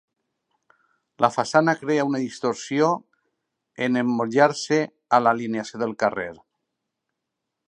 La façana crea una distorsió en emmotllar-se a l'alineació del carrer.